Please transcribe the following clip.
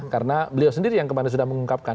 karena beliau sendiri yang kemarin sudah mengungkapkan